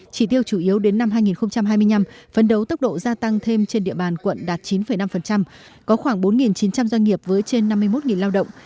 chỉ tiêu chủ yếu đến năm hai nghìn hai mươi năm phấn đấu tốc độ gia tăng thêm trên địa bàn quận đạt chín năm có khoảng bốn chín trăm linh doanh nghiệp với trên năm mươi một lao động